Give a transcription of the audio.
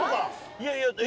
いやいや。